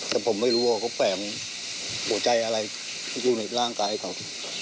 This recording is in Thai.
แต่ผมไม่รู้ว่าเขาแฝงหัวใจอะไรอยู่ในร่างกายเขา